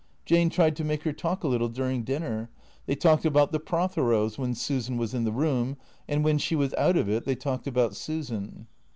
Jane tried to make her talk a little during dinner. They talked about the Protheros when Susan was in the room, and when she was out of it they talked about Susan.